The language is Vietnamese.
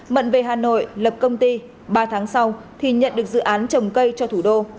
mận về hà nội lập công ty ba tháng sau thì nhận được dự án trồng cây cho thủ đô